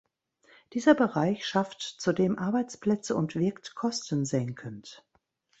Dieser Bereich schafft zudem Arbeitsplätze und wirkt kostensenkend.